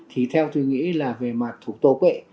thì theo tôi nghĩ là về mặt thủ tục ấy